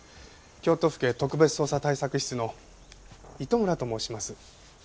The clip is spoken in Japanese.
京都府警特別捜査対策室の糸村と申します。